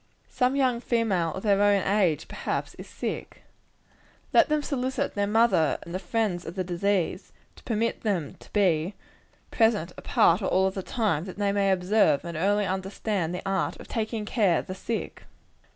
Some young female of their own age, is perhaps sick. Let them solicit their mother and the friends of the diseased, to permit them to be present a part or all of the time, that they may observe and early understand the art of taking care of the sick.